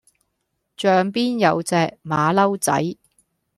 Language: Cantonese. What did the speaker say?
象邊有隻馬騮仔